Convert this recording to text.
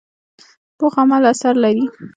پوخ عمل اثر لري